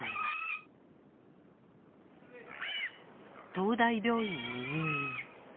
東大病院に入院。